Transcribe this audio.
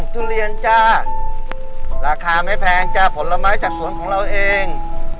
ทุเรียนจ้าราคาไม่แพงจ้ะผลไม้จากสวนของเราเอง